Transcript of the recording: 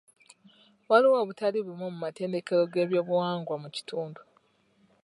Waliwo obutali bumu mu matendekero g'ebyobuwangwa mu kitundu.